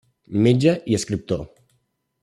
Metge i Escriptor.